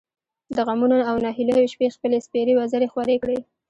د غمـونـو او نهـيليو شـپې خپـلې سپـېرې وزرې خـورې کـړې.